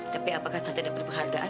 tapi apakah tante dapat penghargaan